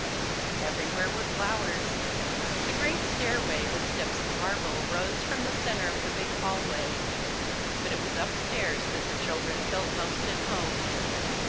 Everywhere were flowers. The great stairway with steps of marble rose from the center of the big hallway. But it was upstairs that the children felt most at home.